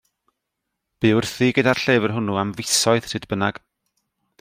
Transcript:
Bu wrthi gyda'r llyfr hwnnw am fisoedd, sut bynnag.